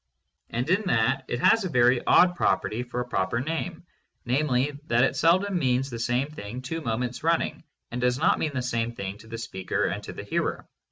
And in that it has a very odd property for a proper name, namely that it seldom means the same thing two moments running and does not mean the same thing to the speaker and to the hearer.